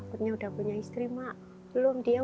kalau forteman itu nanti lihat wangalyllues barang